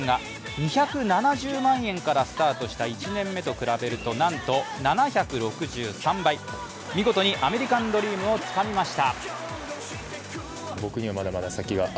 ２７０万円からスタートした１年目と比べるとなんと７６３倍、見事にアメリカンドリームをつかみました。